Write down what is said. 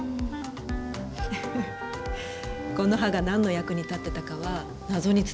この歯が何の役に立ってたかは謎に包まれてるの。